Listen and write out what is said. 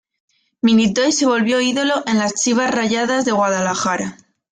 Militó y se volvió ídolo en las Chivas Rayadas de Guadalajara.